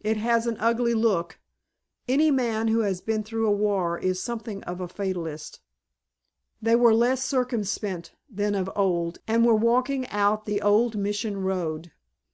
It has an ugly look. Any man who has been through a war is something of a fatalist." They were less circumspect than of old and were walking out the old Mission Road.